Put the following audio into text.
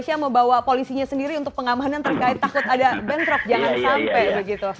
siapa bawa polisinya sendiri untuk pengamanan terkait takut ada bentrok jangan sampai begitu